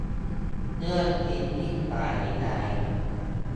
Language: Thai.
เรื่องจริงยิ่งกว่านิยาย